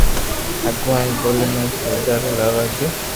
ھگو ھين ٻولي ۾ سودا رو لاوي ھگي